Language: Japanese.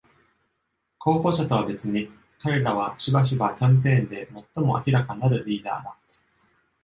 候補者とは別に、彼らはしばしばキャンペーンで最も明らかなるリーダーだ。